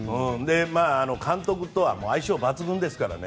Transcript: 監督とは相性抜群ですからね。